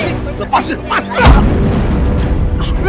itu kan premaneo